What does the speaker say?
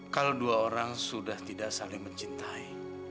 kalau dua orang sudah tidak saling mencintai